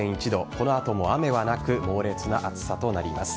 この後も、雨はなく猛烈な暑さとなります。